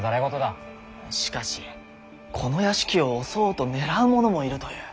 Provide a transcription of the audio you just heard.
しかしこの邸を襲おうと狙う者もいるという。